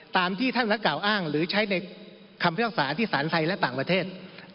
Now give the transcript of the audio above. ตามที่ท่านนักกล่าวอ้างหรือใช้ในคำพิพากษาที่สารไทยและต่างประเทศ